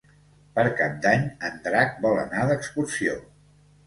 Per Cap d'Any en Drac vol anar d'excursió.